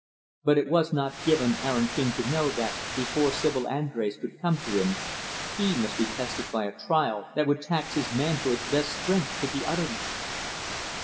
But it was not given Aaron King to know that before Sibyl Andrés could come to him he must be tested by a trial that would tax his manhood's best strength to the uttermost.